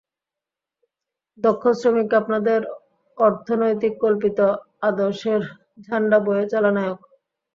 দক্ষ শ্রমিক, আপনাদের অর্থনৈতিক কল্পিত আদর্শের ঝান্ডা বয়ে চলা নায়ক!